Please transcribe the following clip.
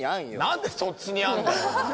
何でそっちにあるんだよ。